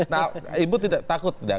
nah ibu takut tidak